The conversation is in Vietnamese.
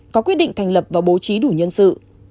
có quyết định thành lập và bố trí đủ nhân sự